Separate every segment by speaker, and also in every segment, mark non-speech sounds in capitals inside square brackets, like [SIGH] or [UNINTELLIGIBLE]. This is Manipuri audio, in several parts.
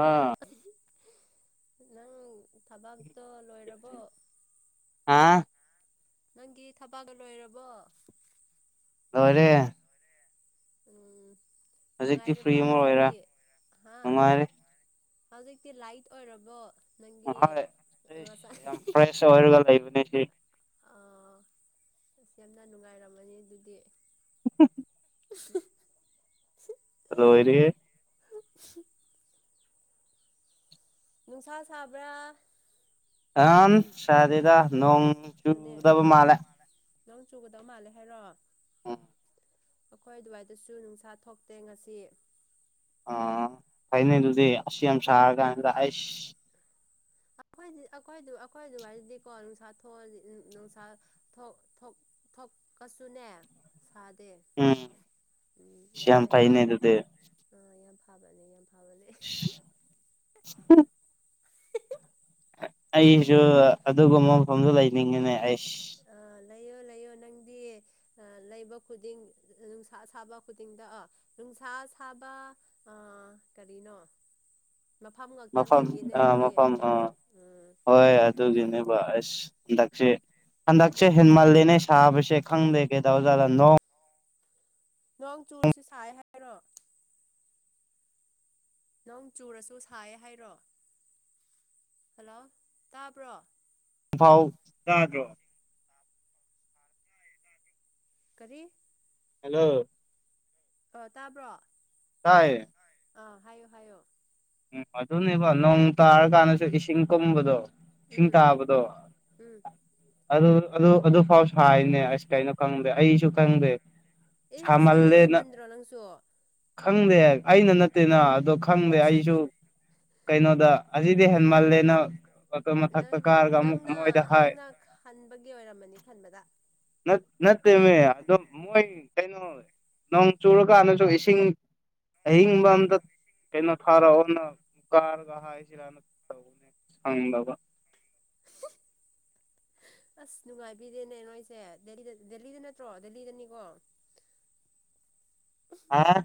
Speaker 1: ꯑꯥ
Speaker 2: ꯅꯪ ꯊꯕꯥꯛꯇꯣ ꯂꯣꯏꯔꯕꯣ
Speaker 1: ꯑꯥ
Speaker 2: ꯅꯪꯒꯤ ꯊꯕꯒ ꯂꯣꯏꯔꯕꯣ
Speaker 1: ꯇꯔꯦ
Speaker 2: ꯎꯝ
Speaker 1: ꯍꯧꯖꯤꯛꯇꯤ ꯐ꯭ꯔꯤ
Speaker 2: ꯅꯨꯡꯉꯥꯏꯔꯕ꯭ꯔꯣ
Speaker 1: ꯑꯃ ꯑꯣꯏꯔ
Speaker 2: ꯍꯧꯖꯤꯛꯇꯤ ꯍꯥ
Speaker 1: ꯅꯨꯡꯉꯥꯏꯔꯦ
Speaker 2: ꯍꯧꯖꯤꯛꯇꯤ ꯂꯥꯏꯠ ꯑꯣꯏꯔꯕꯣ ꯅꯪꯒꯤ
Speaker 1: ꯍꯣꯏ ꯐꯦ
Speaker 2: ꯉꯁꯥꯏ
Speaker 1: ꯌꯥꯝ ꯐ꯭ꯔꯦꯁ ꯑꯣꯏꯔꯒ ꯂꯩꯕꯅꯦ ꯁꯤ
Speaker 2: ꯑ ꯌꯥꯝꯅ ꯅꯨꯡꯉꯥꯏꯔꯝꯃꯅꯤ ꯑꯗꯨꯗꯤ
Speaker 1: [UNINTELLIGIBLE]
Speaker 2: [UNINTELLIGIBLE]
Speaker 1: ꯑꯗꯣ ꯑꯣꯏꯔꯦ
Speaker 2: [UNINTELLIGIBLE] ꯅꯨꯡꯁꯥ ꯁꯥꯕ꯭ꯔꯥ
Speaker 1: ꯑ ꯁꯔꯤꯗ ꯅꯣꯡ ꯆꯨꯗꯕ ꯃꯥꯂꯦ
Speaker 2: ꯅꯪ ꯆꯨꯒꯗꯧ ꯃꯥꯜꯂꯦ ꯍꯥꯏꯔꯣ
Speaker 1: ꯑ
Speaker 2: ꯑꯩꯈꯣꯏ ꯑꯗꯨꯋꯥꯏꯗꯁꯨ ꯅꯨꯡꯁꯥ ꯊꯣꯛꯇꯦ ꯉꯁꯤ
Speaker 1: ꯑ ꯐꯥꯏꯅꯦꯜꯗꯤꯦ ꯑꯁꯤꯝꯁꯒꯗꯁ
Speaker 2: ꯑ ꯑꯩꯈꯣꯏ ꯑꯩꯈꯣꯏꯗꯨ ꯍꯥꯏꯁꯤꯗꯤ ꯀꯣ ꯅꯨꯡꯁꯥ ꯊꯣꯛ ꯅꯨꯡꯁꯥ ꯊꯣꯛꯀꯁꯨꯅꯦ
Speaker 1: ꯎꯝ
Speaker 2: ꯎꯝ
Speaker 1: ꯁꯌꯥꯝ ꯐꯅꯦ ꯑꯗꯨꯗ
Speaker 2: ꯐꯥꯕꯅꯦ ꯌꯥꯝ ꯐꯩ
Speaker 1: ꯍ ꯑꯩꯁꯨ ꯑꯗꯨꯒꯨꯝꯕ ꯃꯐꯝꯗ ꯂꯩꯅꯤꯡꯉꯤꯅꯦ ꯑꯩꯁ
Speaker 2: ꯂꯌꯣ ꯂ ꯑꯌꯣ ꯅꯪ ꯗꯤ ꯂꯩꯕ ꯈꯨꯗꯤꯡ ꯅꯨꯡꯁꯥ ꯁꯥꯕ ꯈꯨꯗꯤꯡꯗ ꯑꯣ ꯅꯨꯡꯁꯥ ꯁꯥꯕ ꯑ ꯀꯔꯤꯅꯣ ꯃꯐꯝ ꯉꯥꯛꯇ
Speaker 1: ꯃꯐꯝ
Speaker 2: ꯂꯩꯌꯦꯅꯦ
Speaker 1: ꯑꯥ
Speaker 2: ꯅꯪꯗꯤ
Speaker 1: ꯃꯐꯝ ꯑꯥ
Speaker 2: ꯎꯝ
Speaker 1: ꯍꯣꯏ ꯑꯗꯨꯒꯤꯅꯦꯕ ꯑꯁ ꯍꯟꯗꯛꯁꯦ ꯍꯟꯗꯛꯁꯦ ꯍꯦꯟꯃꯂꯦꯅꯦ ꯁꯥꯕꯁꯦ ꯈꯪꯗꯦ ꯀꯩꯗꯖꯥꯠꯗ ꯅꯣ
Speaker 2: ꯅꯣꯡ ꯆꯨꯔꯁꯤ ꯁꯥꯏ ꯍꯥꯏꯔꯣ ꯅꯪ ꯆꯨꯔꯁꯨ ꯁꯥꯏꯌꯦ ꯍꯥꯏꯔꯣ ꯍꯜꯂꯣ ꯇꯥꯕ꯭ꯔꯣ
Speaker 1: ꯐꯥꯎ
Speaker 2: ꯑꯥ
Speaker 1: ꯌꯥꯥꯗ꯭ꯔꯣ
Speaker 2: ꯀꯔꯤ
Speaker 1: ꯍꯜꯂꯣ
Speaker 2: ꯑ ꯇꯥꯕ꯭ꯔꯣ
Speaker 1: ꯀꯥꯏ
Speaker 2: ꯑ ꯍꯥꯏꯌꯣ ꯍꯥꯏꯌꯣ
Speaker 1: ꯎꯝ ꯑꯗꯨꯅꯦꯕ ꯅꯣꯡ ꯇꯥꯔꯀꯥꯟꯗꯁꯨ ꯏꯁꯤꯡ ꯀꯨꯝꯕꯗꯣ ꯁꯤꯡ
Speaker 2: ꯎꯝ
Speaker 1: ꯇꯥꯕꯗꯣ
Speaker 2: ꯎꯝ
Speaker 1: ꯑꯗꯨ ꯑꯗꯨ ꯑꯗꯨ ꯐꯥꯎꯁꯨ ꯍꯥꯏꯅꯦ ꯑꯁ ꯀꯩꯅꯣ ꯈꯪꯗꯦ ꯑꯩꯁꯨ ꯈꯪꯗꯦ
Speaker 2: ꯑꯦ ꯁꯤ
Speaker 1: ꯁꯥꯃꯜꯂꯦꯅ
Speaker 2: ꯌꯥꯝꯃꯟꯗ꯭ꯔꯣ ꯅꯪꯁꯨ
Speaker 1: ꯈꯪꯗꯦ ꯑꯩꯅ ꯅꯠꯇꯦꯅ ꯑꯗꯣ ꯈꯪꯗꯦ ꯑꯩ ꯀꯩꯅꯣꯗ ꯑꯁꯤꯗꯤ ꯍꯦꯟ ꯃꯥꯜꯂꯦꯅ
Speaker 2: ꯅꯪ ꯅꯪꯅ ꯅꯪꯅ ꯈꯟꯕꯒꯤ ꯑꯣꯏꯔꯝꯃꯅꯤ ꯈꯟꯕꯗ
Speaker 1: ꯅꯠꯇꯦꯅꯦ ꯑꯝ ꯃꯣꯏ ꯀꯩꯅꯣ ꯅꯣꯡ ꯆꯨꯔꯀꯥꯟꯗꯁꯨ ꯏꯁꯤꯡ ꯍꯕ ꯑꯗ ꯀꯩꯅꯣ ꯐꯔ ꯑꯣꯟꯅ ꯀꯥꯔꯒꯅ ꯁꯗꯕ
Speaker 2: ꯑꯁ ꯅꯨꯡꯉꯥꯏꯕꯤꯗꯦꯅꯦ ꯅꯣꯏꯁꯦꯗ ꯗꯦꯜꯂꯤꯗ ꯅꯠꯇ꯭ꯔꯣ ꯗꯦꯜꯂꯤꯗꯅꯤꯀꯣ
Speaker 1: ꯍꯥꯥ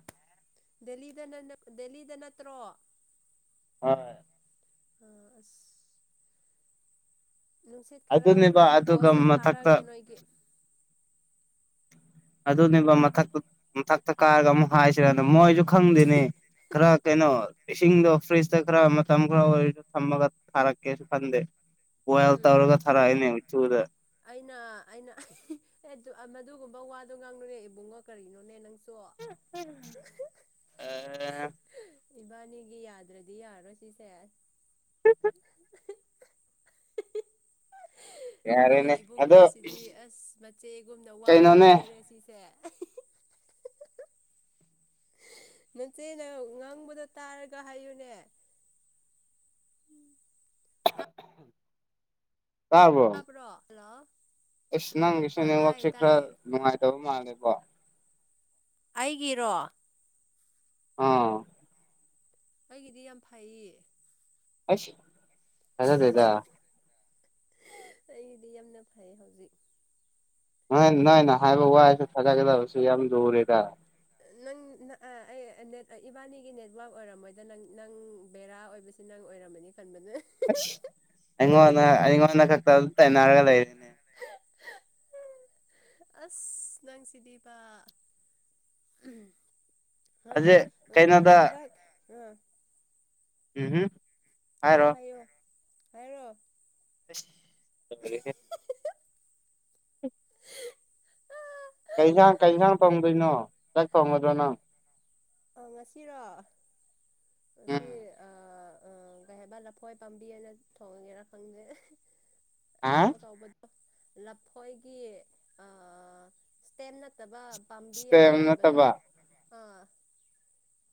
Speaker 2: ꯗꯦꯜꯂꯤꯗ ꯅ ꯗꯦꯜꯂꯤꯗ ꯅꯠꯇ꯭ꯔꯣ
Speaker 1: ꯍ
Speaker 2: ꯑ ꯑ ꯅꯨꯡꯁꯤꯠ ꯈꯔ
Speaker 1: ꯑꯗꯨꯅꯦꯕ ꯑꯗꯨꯒ
Speaker 2: ꯄꯣꯁꯇ ꯊꯥꯔꯛꯑꯒꯦ
Speaker 1: ꯃꯊꯛꯇ
Speaker 2: ꯅꯣꯏꯒꯤ
Speaker 1: ꯑꯗꯨꯅꯦꯕ ꯃꯊꯛꯇ ꯃꯊꯛꯇ ꯀꯥꯔꯒ ꯑꯃꯨꯛ ꯍꯥꯏꯁꯤꯔꯦ ꯃꯣꯏꯁꯨ ꯈꯪꯗꯦꯅꯦ ꯈꯔ ꯀꯩꯅꯣ ꯏꯁꯤꯡꯗꯣ ꯐ꯭ꯔꯤꯖ ꯇ ꯀ꯭ꯔ ꯃ ꯀ꯭ꯔ ꯊꯝꯕꯒ ꯈꯔ ꯀꯦ ꯐꯗꯦ ꯍꯣꯏꯜ
Speaker 2: ꯎꯝ
Speaker 1: ꯇꯧꯔꯒ ꯊꯔꯥꯅꯦ ꯆꯗ
Speaker 2: ꯑꯩꯅ ꯑꯩꯅ ꯃꯗꯨꯒꯨꯝꯕ ꯋꯥꯗꯣ ꯉꯥꯡꯅꯨꯉꯦ ꯏꯕꯨꯡꯉꯣ ꯀꯔꯤꯅꯣꯅꯦ ꯅꯪ
Speaker 1: ꯑ
Speaker 2: ꯏꯕꯥꯅꯤꯒꯤ ꯌꯥꯗ꯭ꯔꯗꯤ ꯌꯥꯔꯣꯏ ꯁꯤꯁꯦ ꯑꯩꯈꯣꯏ
Speaker 1: ꯌꯥꯔꯦꯅꯦ ꯑꯗꯣ
Speaker 2: ꯏꯕꯨꯡꯉꯣꯁꯤꯗꯤ ꯑꯁ ꯃꯆꯦꯒꯨꯝꯅ ꯋꯥ
Speaker 1: ꯀꯩꯅꯣꯅꯦ
Speaker 2: ꯉꯥꯡꯗꯦꯔꯦ ꯁꯤꯁꯦ ꯃꯆꯦꯅ ꯉꯥꯡꯕꯗ ꯇꯥꯔꯒ ꯍꯥꯏꯌꯨꯅꯦ ꯎꯝ
Speaker 1: ꯇꯥꯔꯕꯣ
Speaker 2: ꯇꯥꯕ꯭ꯔꯣ ꯍꯜꯂꯣ
Speaker 1: ꯑꯁ
Speaker 2: ꯑꯥ ꯇꯥꯏꯌꯦ
Speaker 1: ꯅꯪꯒꯤꯁꯨꯅꯦꯋꯥꯛꯁꯦ ꯈꯔ
Speaker 2: ꯇꯥꯏꯌꯦ
Speaker 1: ꯅꯨꯡꯉꯥꯏꯇꯕ ꯃꯥꯜꯂꯦꯕꯣ
Speaker 2: ꯑꯩꯒꯤꯔꯣ
Speaker 1: ꯑꯥ
Speaker 2: ꯑꯩꯒꯤꯗꯤ ꯌꯥꯝ ꯐꯩꯌꯦ
Speaker 1: ꯁ ꯍꯥꯏꯗꯗ
Speaker 2: ꯑꯩꯒꯤꯗꯤ ꯌꯥꯝꯅ ꯐꯩ ꯍꯧꯖꯤꯛ
Speaker 1: ꯅꯣꯏ ꯅꯣꯏ ꯅ ꯍꯥꯏꯕ ꯋꯥꯏꯁꯨꯦ ꯊꯥꯒꯀꯗꯕꯁꯨ ꯌꯥꯝ ꯂꯔꯦꯗ
Speaker 2: ꯅꯪ ꯏꯕꯥꯅꯤꯒꯤ ꯅꯦꯠꯋꯥꯛ ꯑꯣꯏꯔꯝꯃꯣꯏꯗ ꯅ ꯅꯪ ꯕꯦꯔꯥ ꯑꯣꯏꯁꯦ ꯅꯪ ꯑꯣꯏꯔꯝꯃꯅꯤ ꯈꯟꯕꯅꯦ
Speaker 1: ꯁ ꯍꯣꯟꯅ ꯍꯣꯟꯅ ꯀ ꯇꯔꯒꯗ ꯂꯩꯅꯦ
Speaker 2: ꯎꯝ ꯑꯁ ꯅꯪ ꯁꯤꯗꯤꯄꯥ
Speaker 1: ꯑꯁꯤ ꯀꯩꯅꯣꯗ
Speaker 2: ꯍꯗ ꯑ
Speaker 1: ꯎꯝꯨꯝ
Speaker 2: ꯍꯥꯏꯌꯣ ꯍꯥꯏꯌꯣ ꯍꯥꯏꯔꯣ
Speaker 1: ꯍꯦ ꯎ ꯀꯩꯁꯥꯡ ꯀꯩꯁꯥꯡ ꯐꯪꯗꯣꯏꯅꯣ ꯆꯛ ꯐꯣꯡꯉꯗꯣ ꯅꯪ
Speaker 2: ꯑ ꯉꯁꯤꯔꯣ
Speaker 1: ꯎꯝ
Speaker 2: ꯉꯁꯤ ꯑ ꯑ ꯀꯩ ꯍꯥꯏꯕ ꯂꯐꯣꯏ ꯄꯥꯝꯕꯤ ꯑꯅ ꯊꯣꯡꯒꯦꯔ ꯈꯪꯗꯦ
Speaker 1: ꯍꯥ
Speaker 2: ꯑꯆꯥꯎ ꯑꯆꯕꯗꯣ ꯂꯐꯣꯏꯒꯤ ꯑ ꯏꯁꯇꯦꯝ ꯅꯠꯇꯕ ꯄꯥꯝꯕꯤ ꯑꯃ
Speaker 1: ꯁ꯭ꯇꯦꯝ
Speaker 2: ꯂꯩꯕꯗꯣ
Speaker 1: ꯅꯠꯇꯕ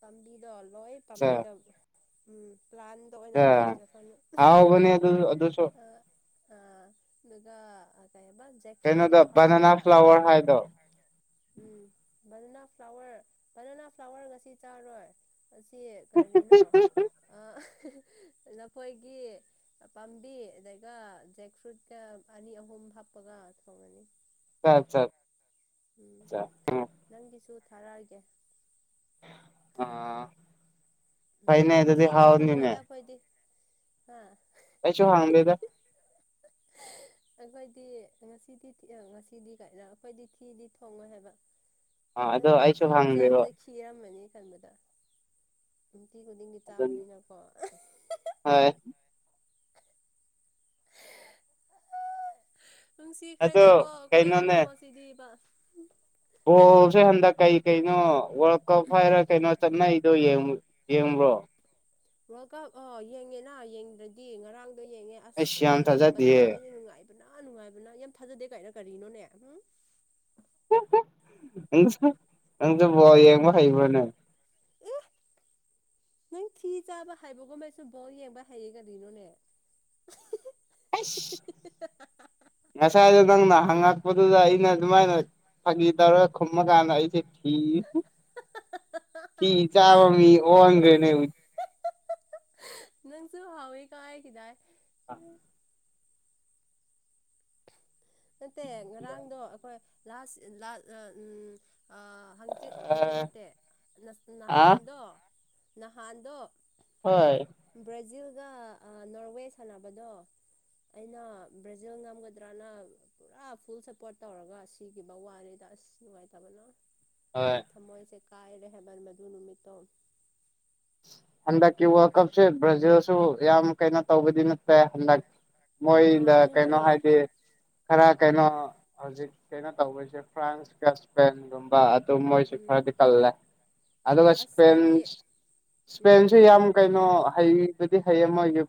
Speaker 2: ꯇꯝꯕꯤꯗ ꯑꯜꯑꯦ
Speaker 1: ꯑꯆꯥ
Speaker 2: ꯄꯝꯕꯤꯗꯝ ꯎꯝ ꯄ꯭ꯂꯥꯟꯗ ꯑꯣꯏꯅ
Speaker 1: ꯑꯆꯥ
Speaker 2: ꯊꯣꯡꯉꯁꯤꯔ ꯈꯅ
Speaker 1: ꯍꯥꯎꯕꯅꯦ ꯑꯗꯨ ꯑꯗꯨꯁꯨ
Speaker 2: ꯑ ꯑ ꯑꯗꯨꯒ ꯀꯩ ꯍꯥꯏꯕ ꯖꯦꯛ ꯐ꯭ꯔꯨꯏꯠꯇꯣ
Speaker 1: ꯀꯩꯅꯣꯗꯣ ꯕꯅꯅꯥ
Speaker 2: ꯍꯥꯞꯄꯒ
Speaker 1: ꯐ꯭ꯂꯋꯔ ꯍꯥꯏꯗꯣ
Speaker 2: ꯎꯝ ꯕꯅꯅꯥ ꯐ꯭ꯂꯥꯋꯔ ꯕꯅꯅꯥ ꯐ꯭ꯂꯥꯋꯔ ꯉꯁꯤ ꯆꯥꯔꯣꯏ ꯑꯁꯤ ꯀꯔꯤꯅꯣ ꯑ ꯅꯈꯣꯏꯒꯤ ꯄꯥꯝꯕꯤ ꯑꯩꯒ ꯖꯦꯛ ꯐ꯭ꯔꯨꯠꯀ ꯑꯅꯤ ꯑꯍꯨꯝ ꯍꯥꯞꯄꯒ ꯍꯕꯅꯤ
Speaker 1: ꯠ ꯎꯝ
Speaker 2: ꯊꯔꯒꯦ
Speaker 1: ꯑ ꯀꯩꯅꯦ ꯇꯗꯤ ꯍꯥꯎꯅꯤꯅꯦ
Speaker 2: ꯑꯥ
Speaker 1: ꯑꯩꯁꯨ ꯍꯥꯡꯕꯗ
Speaker 2: ꯑꯩꯈꯣꯏꯗꯤ ꯉꯁꯤꯗꯤ ꯉꯁꯤꯗꯤ ꯀꯥꯏꯅ ꯑꯩꯈꯣꯏꯗꯤ ꯊꯤꯗꯤ ꯊꯣꯡꯉꯣꯏ ꯍꯥꯏꯕ
Speaker 1: ꯑꯥ
Speaker 2: ꯅ
Speaker 1: ꯑꯗꯣ
Speaker 2: ꯇꯨ
Speaker 1: ꯑꯩꯁꯨ
Speaker 2: ꯊꯤ
Speaker 1: ꯍꯪꯗꯦꯕ
Speaker 2: ꯆꯥꯕꯗ ꯈꯈꯤꯔꯝꯃꯅꯤ ꯈꯟꯕꯗ ꯇꯤ ꯈꯨꯗꯤꯡꯒꯤ
Speaker 1: ꯑꯗꯨꯅꯤ
Speaker 2: ꯆꯥꯕꯅꯤꯅꯀꯣ
Speaker 1: ꯍꯣꯏ ꯑꯗꯣ
Speaker 2: ꯅꯨꯡꯁꯤꯈ꯭ꯔꯗꯤꯦꯀꯣ ꯑꯩꯈꯣꯏ
Speaker 1: ꯀꯩꯅꯣꯅꯦ
Speaker 2: ꯏꯕꯨꯡꯉꯣ ꯁꯤꯗꯤꯕ
Speaker 1: ꯕꯣꯜꯁꯦ ꯍꯟꯗꯛ ꯀꯩ ꯀꯩꯅꯣ ꯋꯥꯔꯜ ꯀꯞ ꯍꯥꯏꯔ ꯀꯩꯅꯣ ꯆꯠꯅꯩꯗꯣ ꯌꯦꯡꯉ ꯌꯦꯡꯉꯕ꯭ꯔꯣ
Speaker 2: ꯋꯥꯔꯜ ꯀꯞ ꯑ ꯌꯦꯡꯉꯦꯅ ꯌꯦꯡꯗ꯭ꯔꯗꯤ ꯉꯔꯥꯡ ꯌꯦꯡꯉꯦ ꯑꯁ
Speaker 1: ꯑꯩꯁ ꯌꯥꯝ
Speaker 2: ꯄꯦꯟ
Speaker 1: ꯊꯥꯖꯗꯤꯌꯦ
Speaker 2: ꯉꯝꯕꯗꯨꯗ ꯑ ꯅꯨꯡꯉꯥꯏ ꯅ ꯅꯨꯡꯉꯥꯏꯕꯅ ꯌꯥꯝ ꯊꯥꯖꯗꯦ ꯀꯥꯏꯅ ꯀꯔꯤꯅꯣꯅꯦ ꯎꯝ
Speaker 1: ꯁꯨ ꯅꯪꯁꯨ ꯌꯦꯡꯕ ꯍꯩꯕꯅꯦ
Speaker 2: ꯌꯦ ꯅꯪ ꯊꯤ ꯆꯥꯕ ꯍꯥꯏꯩꯕꯒꯨꯝꯕ ꯁꯨꯝ ꯕꯥꯎ ꯌꯦꯡꯕ ꯍꯩꯌꯦ ꯀꯔꯤꯅꯣꯅꯦ
Speaker 1: ꯑꯁ ꯉꯁꯥꯏꯗꯣ ꯅꯪꯅ ꯍꯪꯉꯛꯄꯗꯨꯗ ꯑꯩꯅ ꯑꯗꯨꯃꯥꯏꯅ ꯐꯥꯒꯤꯗꯔ ꯈꯨꯝꯃ ꯀꯥꯟꯅꯏꯁꯤꯦ ꯊ ꯀꯤ ꯆꯕ ꯃꯤ ꯑꯣꯡꯒꯅꯦ
Speaker 2: ꯅꯪꯁꯨꯨ ꯍꯥꯎꯦ ꯀꯥꯏ ꯀꯗꯥꯥꯏ
Speaker 1: ꯑ
Speaker 2: ꯅꯠꯇꯦ ꯉꯔꯥꯡꯗꯣ ꯑꯩꯈꯣꯏꯥꯁ ꯎꯝ ꯍꯪꯆꯤꯠ ꯍꯥꯡꯆꯤꯠ ꯅꯠꯇꯦ
Speaker 1: ꯑꯥ
Speaker 2: ꯅꯍꯥꯟꯗꯣ ꯅꯍꯥꯟꯗꯣ
Speaker 1: ꯍꯣꯏ
Speaker 2: ꯕ꯭ꯔꯥꯖꯤꯜ ꯑꯗꯨꯒ ꯅꯣꯔꯋꯦ ꯁꯥꯟꯅꯕꯗꯣ ꯑꯩꯅ ꯕ꯭ꯔꯥꯖꯤꯜ ꯉꯝꯒꯗ꯭ꯔꯅ ꯄꯨꯔꯥ ꯐꯨꯜ ꯁꯞꯄꯣꯔꯠ ꯇꯧꯔꯒ ꯁꯤꯈꯤꯕ ꯋꯥꯅꯤꯗ ꯑꯁ ꯅꯨꯡꯉꯥꯏꯇꯕꯅꯣ
Speaker 1: ꯍꯣꯏ
Speaker 2: ꯑꯩ ꯊꯝꯃꯣꯏꯁꯦ ꯀꯥꯏ ꯔꯦꯕꯔ ꯃꯗꯨ ꯅꯨꯃꯤꯠꯇꯣ
Speaker 1: ꯍꯟꯗꯛꯀꯤ ꯋꯥꯔꯜ ꯀꯞꯁꯦ ꯕ꯭ꯔꯥꯖꯤꯜꯁꯨ ꯌꯥꯝ ꯀꯩꯅꯣ ꯇꯧꯕꯗꯤ ꯅꯠꯇꯦ ꯍꯟꯗꯛ
Speaker 2: ꯑꯥ
Speaker 1: ꯃꯣꯏꯗ ꯀꯩꯅꯣ
Speaker 2: ꯑꯗꯨꯅꯦ
Speaker 1: ꯍꯥꯏꯗꯤ ꯈꯔ ꯀꯩꯅꯣ ꯍꯧꯖꯤꯛ ꯀꯩꯅꯣ ꯇꯧꯕꯁꯦ ꯐ꯭ꯔꯥꯟꯁꯀ ꯏꯁꯄꯦꯟꯒꯨꯝꯕ ꯇ ꯆ
Speaker 2: ꯎꯝ
Speaker 1: ꯈꯗꯤ ꯀꯜꯂꯦ
Speaker 2: ꯑꯥ
Speaker 1: ꯑꯗꯨꯁ
Speaker 2: ꯑꯁ
Speaker 1: ꯐꯦꯟ
Speaker 2: ꯑꯩꯗꯤ ꯎꯝ
Speaker 1: ꯏꯁꯄꯦꯟꯁꯤ ꯌꯥꯝ ꯀꯩꯅꯣ ꯍꯩꯕꯗꯤ ꯍꯩ ꯑꯃꯒꯤ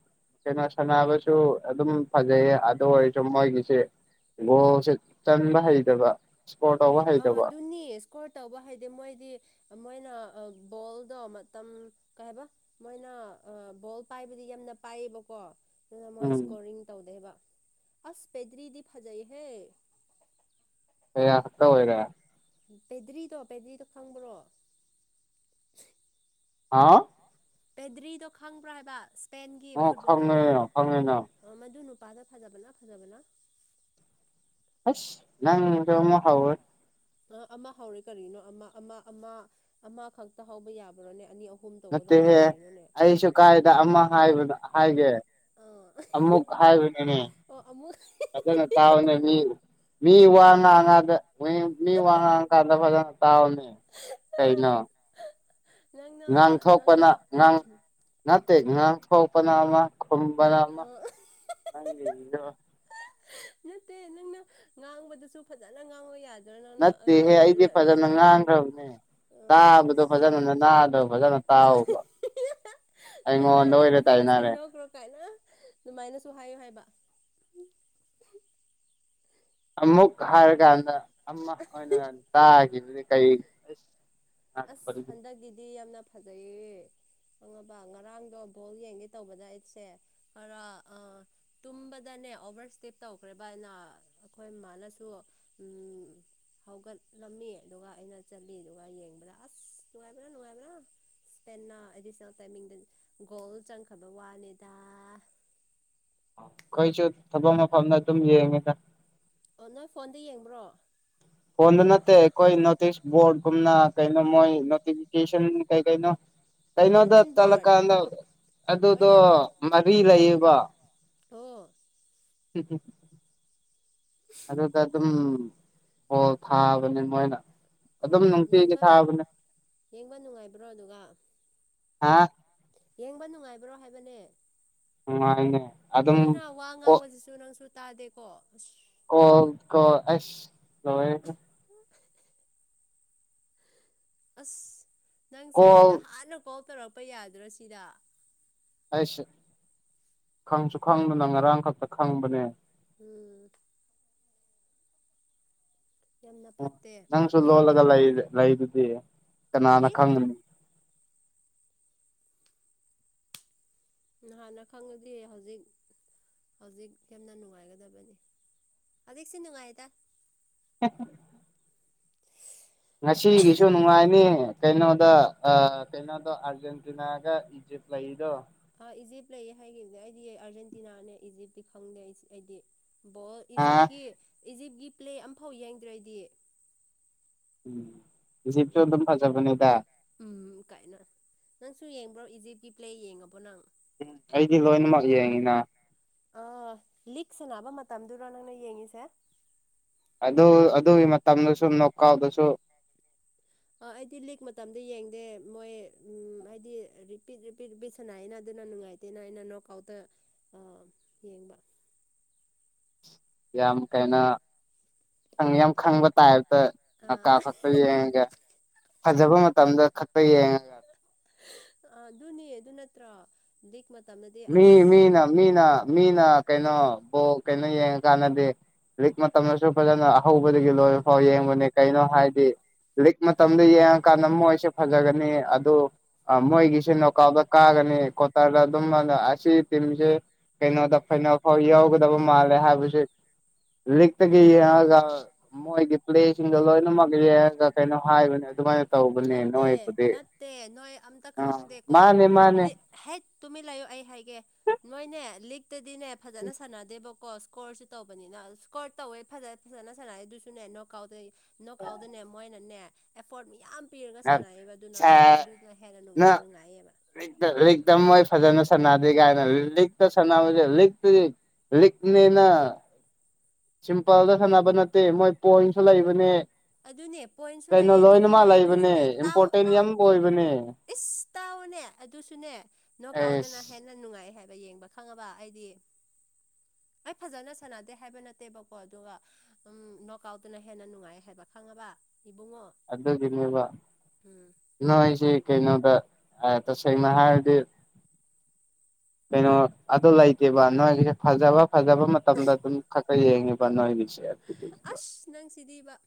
Speaker 1: ꯀꯩꯅꯣ ꯁꯥꯟꯅꯕꯁꯨ ꯑꯗꯨꯝ ꯐꯖꯩꯌꯦ ꯑꯗꯨ ꯑꯣꯏꯔꯁꯨ ꯃꯣꯏꯒꯤꯁꯦ ꯒꯣꯁꯦ ꯆꯟꯕ ꯍꯩꯗꯕ
Speaker 2: ꯑꯣ ꯑꯥ ꯑꯗꯨꯅꯤ ꯏꯁꯀꯣꯔ ꯇꯧꯕ ꯍꯥꯏꯗꯤ ꯃꯣꯏꯗꯤ ꯃꯣꯏꯅ ꯕꯣꯜꯗꯣ ꯃꯇꯝ ꯀꯩ ꯍꯥꯏꯕ ꯃꯣꯏꯅ ꯕꯣꯜ ꯄꯥꯏꯕꯗꯤ ꯌꯥꯝꯅ ꯄꯥꯏꯌꯦꯕꯀꯣ ꯑꯗꯨꯅ ꯃꯣꯏ
Speaker 1: ꯎꯝ
Speaker 2: ꯏꯁꯀꯣꯔꯤꯡ ꯇꯧꯗꯦꯕ ꯑꯁ ꯄꯦꯗꯔꯤꯗꯤ ꯐꯖꯩ ꯍ
Speaker 1: ꯑꯩ ꯍꯛꯇ ꯑꯣꯏꯔ
Speaker 2: ꯄꯦꯗ꯭ꯔꯤꯗꯣ ꯄꯦꯗ꯭ꯔꯤꯗꯣ ꯈꯪꯕ꯭ꯔꯣ
Speaker 1: ꯍꯥꯥ
Speaker 2: ꯄꯦꯗ꯭ꯔꯤꯗꯣ ꯈꯪꯕ꯭ꯔꯥ ꯍꯥꯏꯕ ꯏꯁꯄꯦꯟꯒꯤ
Speaker 1: ꯑꯣ
Speaker 2: ꯐꯨꯠꯕꯣꯂꯔꯗꯣ
Speaker 1: ꯈꯪꯉꯦꯅ ꯈꯪꯉꯦꯅ
Speaker 2: ꯃꯗꯨ ꯄꯥꯥꯗ ꯐꯖꯕꯅ ꯐꯖꯕꯅ
Speaker 1: ꯑꯁ ꯅꯪꯗꯣ ꯃꯣ ꯍꯥꯎꯔ
Speaker 2: ꯑ ꯑꯃ ꯍꯧꯔꯦ ꯀꯔꯤꯅꯣ ꯑꯃ ꯑꯃ ꯑꯃ ꯑꯃ ꯈꯛꯇ ꯍꯧꯕ ꯌꯥꯕ꯭ꯔꯣꯅꯦ ꯑꯅꯤ ꯑꯍꯨꯝ ꯇꯧꯒꯗꯕꯅꯤ
Speaker 1: ꯅꯠꯇꯦꯍꯦ
Speaker 2: ꯀꯔꯤꯅꯣꯅꯦ
Speaker 1: ꯑꯩꯁꯨ ꯀꯥꯏꯗ ꯑꯃ ꯍꯥꯏꯕ ꯍꯥꯏꯒꯦ
Speaker 2: ꯑꯥ
Speaker 1: ꯑꯃꯨꯛ ꯍꯥꯏꯕꯅꯤꯅꯦ
Speaker 2: ꯑꯣ ꯑꯃꯨꯛ
Speaker 1: ꯐꯖꯅ ꯇꯥꯕꯅꯦ ꯃꯤ ꯃꯤ ꯋꯥꯉꯉꯒ ꯃꯤꯣꯏ ꯃꯤ ꯋꯥ ꯀꯥꯟꯗ ꯐꯖꯅ ꯇꯥꯎꯅꯦ ꯀꯩꯅꯩꯅ
Speaker 2: ꯅꯪꯅ ꯅꯪꯅ
Speaker 1: ꯉꯥꯡꯊꯣꯛꯄꯅ ꯉꯥꯡ ꯅꯠꯇꯦ ꯉꯥꯡ ꯊꯣꯛꯣꯛꯄꯅ ꯑꯃ ꯀꯝꯕꯔꯃ
Speaker 2: ꯑꯥ
Speaker 1: ꯅꯪꯗ
Speaker 2: ꯅꯠꯇꯦ ꯅꯪꯅ ꯉꯥꯡꯕꯗꯨꯁꯨ ꯐꯖꯅ ꯉꯥꯡꯕ ꯌꯥꯗꯦ
Speaker 1: ꯅꯠꯇꯦꯍꯦ ꯑꯩꯗꯤ ꯐꯖꯅ ꯉꯥꯡꯈ꯭ꯔꯕꯅꯦ
Speaker 2: ꯑꯥ
Speaker 1: ꯇꯥꯕꯗꯣ
Speaker 2: ꯑꯁ
Speaker 1: ꯐꯖꯅꯅ ꯅꯥꯗꯕ ꯐꯖꯅ ꯇꯥꯕ
Speaker 2: ꯅꯅꯥꯁꯦ ꯐꯖꯅ ꯁꯦꯡꯗꯣꯛꯈ꯭ꯔꯣ ꯀꯥꯏꯅ ꯑꯗꯨꯃꯥꯏꯅꯁꯨ ꯍꯥꯏꯌꯨ ꯍꯥꯏꯕ
Speaker 1: ꯑꯃꯨꯛ ꯍꯥꯏꯔꯀꯥꯟꯗ ꯑꯃ ꯑꯣꯏꯅ ꯇꯥꯈꯤꯕꯅꯤ ꯀꯔꯤ
Speaker 2: ꯑꯁ ꯍꯟꯗꯛꯀꯤꯗꯤ ꯌꯥꯝꯅ ꯐꯖꯩꯌꯦ ꯈꯪꯉꯕ ꯉꯔꯥꯡꯗꯣ ꯕꯣꯜ ꯌꯦꯡꯒꯦ ꯇꯧꯕꯗ ꯑꯩꯠꯁꯦ ꯈꯔ ꯑ ꯇꯨꯝꯕꯗ ꯅꯦ ꯑꯣꯚꯔ ꯏꯁꯇꯦꯞ ꯇꯧꯈ꯭ꯔꯦꯕ ꯑꯅ ꯑꯩꯈꯣꯏ ꯃꯥꯅꯁꯨ ꯍꯧꯒꯠꯂꯝꯃꯤ ꯑꯗꯨꯒ ꯑꯩꯅ ꯆꯠꯂꯤꯗꯨ ꯌꯦꯡꯕ꯭ꯔꯥ ꯑꯁ ꯅꯨꯡꯉꯥꯏꯕ꯭ꯔꯥ ꯅꯨꯡꯉꯥꯏꯕ꯭ꯔꯥ ꯏꯁꯄꯦꯟꯅ ꯑꯦꯗꯤꯁꯅꯦꯜ ꯇꯥꯏꯃꯤꯡꯗ ꯒꯣꯜ ꯆꯪꯈꯕ ꯋꯥꯅꯤꯗ
Speaker 1: ꯀꯣꯏꯁꯨ ꯊꯕꯛ ꯃꯐꯝꯗ ꯑꯗꯨꯝ ꯌꯦꯡꯉꯦꯗ
Speaker 2: ꯑꯣ ꯅꯪ ꯐꯣꯟꯗ ꯌꯦꯡꯕ꯭ꯔꯣ
Speaker 1: ꯐꯣꯟꯗꯨ ꯅꯠꯇꯦ ꯑꯩꯈꯣꯏ ꯅꯣꯇꯤꯁ ꯕꯣꯔꯗꯒꯨꯝꯅ ꯀꯩꯅꯣ ꯃꯣꯏ ꯅꯣꯇꯤꯐꯤꯀꯦꯁꯟ ꯀꯩ ꯀꯩꯅꯣ ꯀꯩꯅꯣꯗ
Speaker 2: ꯕꯨꯂꯤꯇꯤꯟ ꯕꯣꯔꯠ
Speaker 1: ꯆꯠꯂꯀꯥꯟꯗ ꯑꯗꯨꯗꯣ ꯃꯔꯤ ꯂꯩꯌꯦꯕ
Speaker 2: ꯇꯣ
Speaker 1: ꯊ ꯑꯗꯨꯗ ꯑꯗꯨꯝ ꯍꯣꯜ ꯊꯥꯕꯅꯤ ꯃꯣꯏꯅ
Speaker 2: ꯑꯣ
Speaker 1: ꯑꯗꯨꯝ ꯅꯨꯡꯇꯤꯒꯤ
Speaker 2: ꯌꯦꯡꯕ
Speaker 1: ꯊꯥꯕꯅꯦ
Speaker 2: ꯌꯦꯡꯕ ꯅꯨꯡꯉꯥꯏꯕ꯭ꯔꯣ ꯑꯗꯨꯒ
Speaker 1: ꯍꯥꯥ
Speaker 2: ꯌꯦꯡꯕ ꯅꯨꯡꯉꯥꯏꯕ꯭ꯔꯣ ꯍꯥꯏꯕꯅꯦ
Speaker 1: ꯎ ꯏꯅꯦ
Speaker 2: ꯃꯤꯅ ꯋꯥ ꯉꯥꯡꯕꯁꯤꯁꯨ ꯅꯪꯁꯨ ꯇꯥꯗꯦꯀꯣ ꯑꯁ
Speaker 1: ꯀꯣꯜ ꯀ ꯑꯁ ꯅꯦ
Speaker 2: ꯑꯁ ꯅꯪꯁꯦ
Speaker 1: ꯀꯣꯜ
Speaker 2: ꯅꯍꯥꯟꯅ ꯀꯣꯜ ꯇꯧꯔꯛꯄ ꯌꯥꯗ꯭ꯔꯣ ꯁꯤꯗ
Speaker 1: ꯑꯩꯁ ꯈꯪꯁꯨ ꯈꯪꯗꯅ ꯉꯔꯥꯡ ꯈꯛꯇ ꯈꯪꯕꯅꯦ
Speaker 2: ꯎꯝ ꯌꯥꯝꯅ
Speaker 1: ꯎ
Speaker 2: ꯐꯠꯇꯦ
Speaker 1: ꯅꯪꯁꯨ ꯂꯣꯜꯂꯒ ꯂꯩꯗꯨꯗꯤ ꯀꯅꯥꯅ
Speaker 2: ꯀꯔꯤ
Speaker 1: ꯈꯪꯒꯅꯤ
Speaker 2: ꯍꯥꯟꯅ ꯈꯪꯉꯗꯤ ꯍꯧꯖꯤꯛ ꯍꯧꯖꯤꯛ ꯌꯥꯝꯅ ꯅꯨꯡꯉꯥꯏꯒꯗꯕꯅꯤ ꯍꯧꯖꯤꯛꯁꯤ ꯅꯨꯡꯉꯥꯏꯌꯦꯗ
Speaker 1: ꯍ ꯅꯨꯡꯉꯥꯏꯅꯤ ꯀꯩꯅꯣꯗ ꯀꯩꯅꯣꯗꯣ ꯑꯥꯔꯖꯦꯟꯇꯤꯅꯥꯒ ꯏꯖꯤꯞ ꯂꯩꯗꯣ
Speaker 2: ꯑꯥ ꯏꯖꯤꯞ ꯂꯩꯌꯦ ꯍꯥꯏꯈꯤꯕꯅꯦ ꯑꯩꯗꯤ ꯑꯥꯔꯖꯦꯟꯇꯤꯅꯥꯅꯦ ꯏꯖꯤꯞꯇꯤ ꯈꯪꯗꯦ ꯑꯩ ꯑꯩꯗꯤ ꯕꯣꯜ
Speaker 1: ꯑꯥ
Speaker 2: ꯏꯖꯤꯞꯀꯤ ꯏꯖꯤꯞꯀꯤ ꯄ꯭ꯂꯦ ꯑꯃꯝꯐꯥꯎ ꯌꯦꯡꯗ꯭ꯔꯦꯗꯤ
Speaker 1: ꯎꯝ ꯖꯤꯕꯁꯨ ꯑꯗꯨꯝ ꯐꯖꯥꯒ ꯅꯩꯗ
Speaker 2: ꯎꯝ ꯀꯥꯏꯅ ꯅꯪꯁꯨ ꯌꯦꯡꯕ꯭ꯔꯣ ꯏꯖꯤꯞꯀꯤ ꯄ꯭ꯂꯦ ꯌꯦꯡꯉꯕꯣ ꯅꯪ
Speaker 1: ꯎꯝ ꯑꯩꯗꯤꯂ ꯏꯅ ꯃꯥꯔ ꯌꯥꯏꯉꯅ
Speaker 2: ꯑ ꯂꯤꯛ ꯁꯅꯕ ꯃꯇꯝꯗꯨꯔꯣ ꯅꯪꯅ ꯌꯦꯡꯉꯁꯦ
Speaker 1: ꯑꯗꯨ ꯑꯗꯨꯒꯤ ꯃꯇꯝꯗ ꯁꯨꯝ ꯅꯣꯛꯀꯥꯎꯗꯁꯨ
Speaker 2: ꯑ ꯑꯩꯗꯤ ꯂꯤꯛ ꯃꯇꯝꯗ ꯌꯦꯡꯗꯦ ꯃꯣꯏ ꯎꯝ ꯍꯥꯏꯗꯤ ꯔꯤꯄꯤꯠ ꯔꯤꯄꯤꯠ ꯄꯤꯠ ꯁꯥꯟꯅꯏꯅ ꯐꯅ ꯅꯨꯡꯉꯥꯏꯇꯦꯅ ꯑꯩꯅ ꯅꯣꯛ ꯑꯥꯎꯗ ꯑ ꯌꯦꯡꯕ
Speaker 1: ꯌꯥꯝ ꯀꯥꯏꯩꯅꯣ ꯌꯥꯝ ꯈꯪꯕ ꯇꯥꯏ
Speaker 2: ꯑꯥ
Speaker 1: ꯅꯀꯥ ꯈꯛꯇ ꯌꯦꯡꯉꯒ ꯐꯖꯕ ꯃꯇꯝꯗ ꯈꯛꯇ ꯌꯦꯡꯉꯒ
Speaker 2: ꯑ ꯑꯗꯨꯙꯅꯤ ꯑꯗꯨ ꯅꯠꯇꯛ ꯃ
Speaker 1: ꯃꯤ ꯃꯤꯅ ꯃꯤꯅ ꯃꯤꯅ ꯀꯩꯅꯣꯕꯨ ꯀꯩꯅꯣ ꯌꯦꯡꯉꯀꯥꯟꯗꯗꯤ ꯂꯤꯖꯤꯛ ꯃꯇꯝꯗꯁꯨ ꯐꯖꯅ ꯑꯍꯧꯕꯗꯒꯤ ꯂꯣꯏꯕ ꯐꯥꯎ ꯌꯦꯡꯕꯅꯦ ꯀꯩꯅꯣ ꯍꯥꯏꯗꯤ ꯂꯤꯛ ꯃꯇꯝꯗ ꯌꯦꯡꯉꯀꯥꯟꯗ ꯃꯣꯏꯁꯦ ꯐꯖꯒꯅꯤ ꯑꯗꯨ ꯃꯣꯏꯒꯤꯁꯦ ꯅꯣꯀꯥꯎꯗ ꯀꯥꯒ ꯀꯊꯔ ꯑꯗꯨ ꯑꯁꯦ ꯇꯁꯦ ꯀꯩꯅꯣꯗ ꯐꯩꯅ ꯑꯐꯥꯎ ꯌꯥꯎꯒꯗꯕ ꯃꯥꯜꯂꯦ ꯍꯥꯏꯕꯁ ꯂꯤꯛꯇꯒꯤ ꯌꯦꯡꯉꯒ ꯃꯣꯏꯒꯤ ꯄ꯭ꯂꯦꯁꯤꯡꯗꯣ ꯂꯣꯏꯅꯃꯛ ꯌꯦꯡꯉꯒ ꯀꯩꯅꯣ ꯍꯥꯏꯕꯅꯦ ꯑꯗꯨꯃꯥꯏꯅ ꯇꯧꯕꯅꯦ
Speaker 2: ꯅꯠꯇꯦ
Speaker 1: ꯅꯣꯏꯕꯨꯗꯤ
Speaker 2: ꯅꯠꯇꯦ ꯅꯣꯏ ꯑꯝꯇ
Speaker 1: ꯑꯥ
Speaker 2: ꯈꯪꯗꯦꯀꯣ
Speaker 1: ꯃꯥꯅꯦ ꯃꯥꯅꯦ
Speaker 2: ꯂꯤ ꯍꯩ ꯇꯨꯃꯤꯠ ꯂꯥꯛꯌꯣ ꯑꯩ ꯍꯥꯏꯒꯦ ꯅꯣꯏꯅꯦ ꯂꯤꯛꯇꯗꯤꯅꯦ ꯐꯖꯅ ꯁꯥꯟꯅꯗꯦꯕ ꯀꯣ ꯁꯀꯣꯔꯁꯨ ꯇꯧꯕꯅꯤꯅ ꯏꯁꯀꯣꯔ ꯇꯧꯋꯦ ꯐꯖ ꯐꯖꯅ ꯁꯥꯟꯅꯦ ꯑꯗꯨꯁꯨꯅꯦ ꯅꯣꯛ ꯑꯥꯎꯠ ꯇ ꯅꯣꯛ ꯀꯥꯎꯗꯅꯦ ꯃꯣꯏꯅꯅꯦ ꯑꯦꯐꯣꯔꯠ ꯌꯥꯝꯌꯥꯝ ꯄꯤꯔꯒ
Speaker 1: ꯅꯪ
Speaker 2: ꯁꯥꯟꯅꯩꯑꯕ ꯑꯗꯨꯅ
Speaker 1: ꯁꯦ
Speaker 2: ꯃꯗꯨꯅ ꯍꯦꯟꯅ
Speaker 1: ꯅꯪ
Speaker 2: ꯅꯨꯡꯉꯥꯏꯌꯦꯕ
Speaker 1: ꯃꯣꯏ ꯐꯖꯅ ꯁꯅꯥꯗꯤ ꯀꯥꯏꯅ ꯂꯤꯈ ꯇ ꯁꯅꯥꯦ ꯂ ꯂꯤ ꯂ ꯂꯤꯈꯅꯦꯅ ꯁꯤꯝꯄꯜꯗ ꯁꯥꯟꯅꯕ ꯅꯠꯇꯦ ꯃꯣꯏ ꯄꯣꯏꯟꯁꯨ ꯂꯩꯕꯅꯦ
Speaker 2: ꯑꯗꯨꯅꯦ ꯄꯣꯏꯟꯁꯨ
Speaker 1: ꯀꯩꯅꯣ
Speaker 2: ꯂꯩꯌꯦ
Speaker 1: ꯂꯣꯏꯅꯃꯛ
Speaker 2: ꯑꯗꯨꯁꯨꯅꯦ
Speaker 1: ꯂꯩꯕꯅꯦ
Speaker 2: ꯑꯗꯨꯁꯨꯅꯦ ꯇꯥꯛꯑꯣ
Speaker 1: ꯏꯝꯄꯣꯔꯇꯦꯟ
Speaker 2: ꯇꯥꯛꯑꯣ
Speaker 1: ꯌꯥꯝ ꯑꯣꯏꯕꯅꯦ
Speaker 2: ꯏꯁꯁ ꯇꯥꯎꯑꯣꯅꯦ ꯑꯗꯨꯁꯨꯅꯦ ꯅ ꯀꯥꯎꯗꯅ
Speaker 1: ꯑꯦꯁ
Speaker 2: ꯍꯦꯟꯅ ꯅꯨꯡꯉꯥꯏ ꯍꯥꯏ ꯌꯦꯡꯕ ꯈꯪꯉꯕ ꯑꯩꯗꯤ ꯑꯩ ꯐꯖꯅ ꯁꯥꯟꯅꯗꯦ ꯍꯥꯏꯕ ꯅꯠꯇꯦꯕꯀꯣ ꯑꯗꯨꯒ ꯎ ꯅꯣꯛ ꯑꯥꯎꯠꯇꯨꯅ ꯍꯦꯟꯅ ꯅꯨꯡꯉꯥꯏ ꯍꯥꯏꯕ ꯈꯪꯉꯕ ꯏꯕꯨꯡꯉꯣ
Speaker 1: ꯑꯗꯕ
Speaker 2: ꯎꯝ
Speaker 1: ꯅꯁꯦ ꯀꯩꯅꯣꯗ ꯇ ꯁꯩ ꯃꯍꯔꯗꯤ ꯀꯩꯅꯣ ꯑꯗꯨ ꯂꯩꯇꯦꯕ ꯅꯣꯏꯒꯤꯁꯦ ꯐꯖꯕ ꯐꯖꯕ ꯃꯇꯝꯗ ꯑꯗꯨꯝ ꯈ ꯈ ꯌꯦꯡꯉꯦꯕ ꯅꯣꯏꯒꯤ ꯁꯦ ꯌꯥ ꯊꯀꯈꯤꯕ
Speaker 2: ꯑꯁ ꯅꯪ ꯁꯤꯗꯤꯕ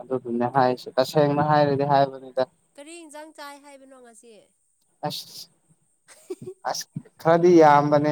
Speaker 1: ꯑꯗꯨꯗꯨꯅꯦ ꯍꯥꯏꯁꯤꯦ ꯇꯁꯦꯡꯅ ꯍꯥꯏꯔꯗꯤ ꯍꯥꯏꯕꯅꯤꯗ
Speaker 2: ꯀꯔꯤ ꯏꯟꯖꯥꯡ ꯆꯥꯏ ꯍꯥꯏꯕꯅꯣ ꯉꯁꯤ
Speaker 1: ꯑ ꯑꯁ ꯈꯔꯗꯤ ꯑꯝꯕꯅꯦ